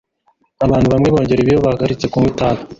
Abantu bamwe bongera ibiro iyo bahagaritse kunywa itabi